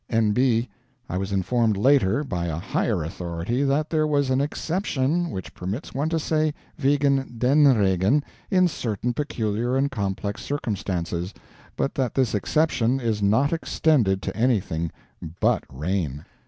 N.B. I was informed, later, by a higher authority, that there was an "exception" which permits one to say "wegen DEN Regen" in certain peculiar and complex circumstances, but that this exception is not extended to anything BUT rain.